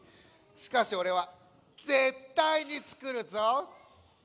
しかしおれはぜったいにつくるぞ。